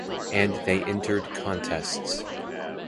And they entered contests.